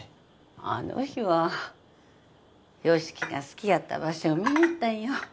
あの日は由樹が好きやった場所を見に行ったんよ